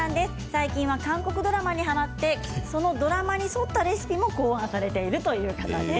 最近は韓国ドラマにはまってそのドラマに沿ったレシピも考案されているということです。